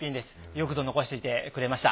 よくぞ残していてくれました。